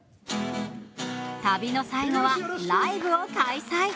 旅の最後は、ライブを開催。